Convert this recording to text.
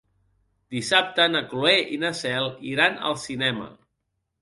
Dissabte na Cloè i na Cel iran al cinema.